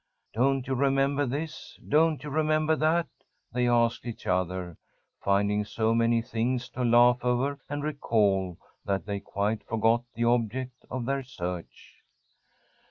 Don't you remember this? Don't you remember that? they asked each other, finding so many things to laugh over and recall that they quite forgot the object of their search.